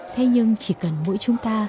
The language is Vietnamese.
thế nhưng chỉ cần mỗi chúng ta